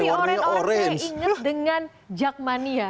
tapi orang orang kayak inget dengan jackmania